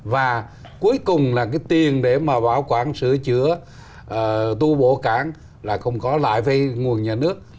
và cuối cùng là cái tiền để mà bảo quản sửa chữa tu bộ cảng là không có lại với nguồn nhà nước